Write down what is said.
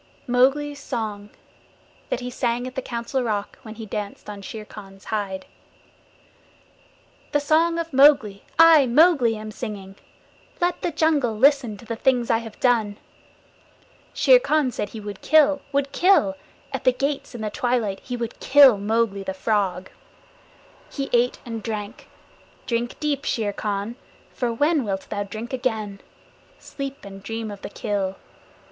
Mowgli's Song THAT HE SANG AT THE COUNCIL ROCK WHEN HE DANCED ON SHERE KHAN'S HIDE The Song of Mowgli I, Mowgli, am singing. Let the jungle listen to the things I have done. Shere Khan said he would kill would kill! At the gates in the twilight he would kill Mowgli, the Frog! He ate and he drank. Drink deep, Shere Khan, for when wilt thou drink again? Sleep and dream of the kill.